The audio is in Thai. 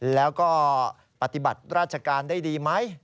แล้วก็ปฏิบัติราชการได้ดีไหม